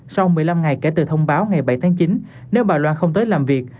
sau một mươi năm ngày kể từ thông báo ngày bảy tháng chín nếu bà loan không tới làm việc